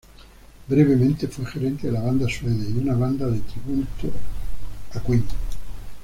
Brevemente fue gerente de la banda Suede y una banda de tributo a Queen.